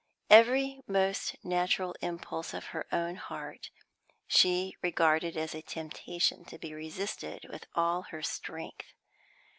Every most natural impulse of her own heart she regarded as a temptation to be resisted with all her strength.